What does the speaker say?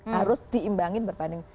harus diimbangin berbanding